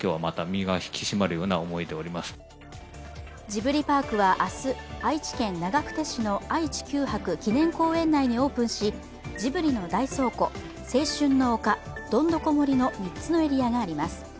ジブリパークは明日、愛知県長久手市の愛・地球博記念公園内にオープンしジブリの大倉庫、青春の丘、どんどこ森の３つのエリアがあります。